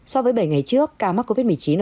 so với bảy ngày trước ca mắc covid một mươi chín